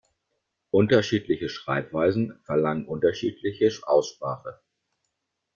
Unterschiedliche Schreibweisen verlangen unterschiedliche Aussprache.